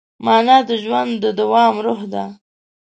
مانا د ژوند د دوام روح ده.